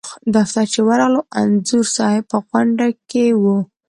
دفتر چې ورغلو انځور صاحب په غونډه کې و.